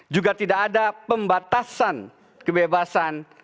juga tidak ada pembatasan kebebasan